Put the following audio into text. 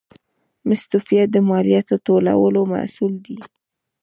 مستوفیت د مالیاتو ټولولو مسوول دی